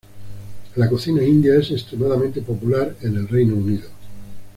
La cocina india es extremadamente popular en el Reino Unido.